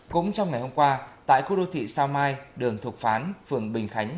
cũng trong ngày hôm qua tại khu đô thị sao mai đường thục phán phường bình khánh